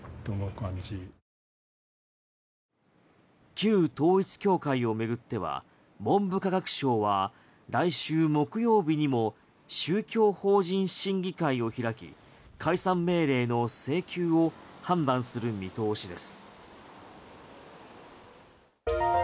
旧統一教会を巡っては文部科学省は来週木曜日にも宗教法人審議会を開き解散命令の請求を判断する見通しです。